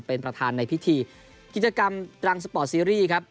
เป็นประธานในพิธีกิจกรรมรังสปอร์ตซีรีส์ครับ